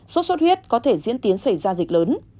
sốt xuất huyết có thể diễn tiến xảy ra dịch lớn